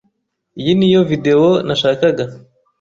Iyi niyo videwo nashakaga.